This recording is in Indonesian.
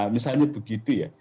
misalnya begitu ya